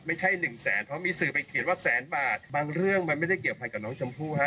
ไม่ใช่หนึ่งแสนเพราะมีสื่อไปเขียนว่าแสนบาทบางเรื่องมันไม่ได้เกี่ยวพันกับน้องชมพู่ฮะ